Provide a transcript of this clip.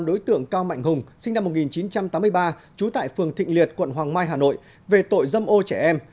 đối tượng cao mạnh hùng sinh năm một nghìn chín trăm tám mươi ba trú tại phường thịnh liệt quận hoàng mai hà nội về tội dâm ô trẻ em